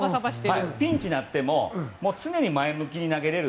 ピンチになっても常に前向きに投げられる。